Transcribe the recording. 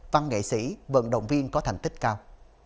văn nghệ sĩ vận động viên có thành tích cao